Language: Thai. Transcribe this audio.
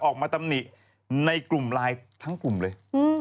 ตำหนิในกลุ่มไลน์ทั้งกลุ่มเลย